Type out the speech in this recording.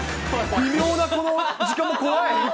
微妙なこの時間も怖い。